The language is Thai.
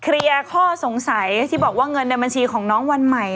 ข้อสงสัยที่บอกว่าเงินในบัญชีของน้องวันใหม่